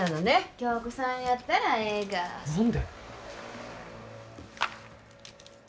響子さんやったらええが何で？